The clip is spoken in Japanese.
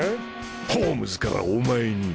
ホームズからお前に。